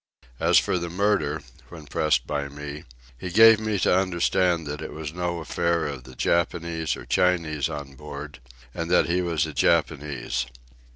As for the murder, when pressed by me, he gave me to understand that it was no affair of the Japanese or Chinese on board, and that he was a Japanese.